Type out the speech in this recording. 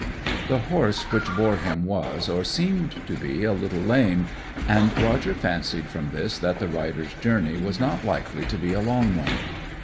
The horse which bore him was, or seemed to be, a little lame, and Roger fancied from this that the rider's journey was not likely to be a long one.